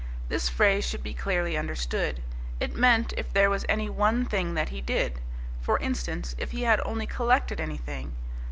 This phrase should be clearly understood. It meant if there was any one thing that he did. For instance if he had only collected anything.